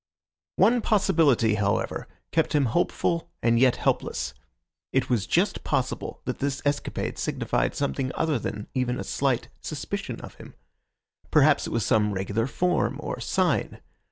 One possibility, however, kept him hopeful and yet helpless. It was just possible that this escapade signified something other than even a slight suspicion of him. Perhaps it was some regular form or sign.